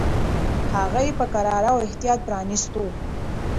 هغه یې په کراره او احتیاط پرانیستو.